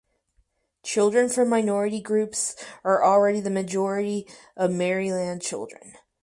Children from minority groups are already the majority of Maryland children.